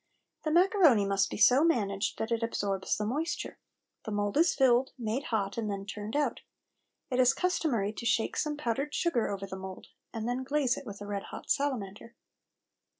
The macaroni must be so managed that it absorbs the moisture. The mould is filled, made hot, and then turned out. It is customary to shake some powdered sugar over the mould, and then glaze it with a red hot salamander.